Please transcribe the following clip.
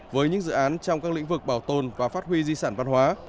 với những dự án trong các lĩnh vực bảo tồn và phát huy di sản văn hóa